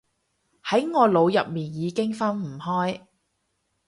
喺我腦入面已經分唔開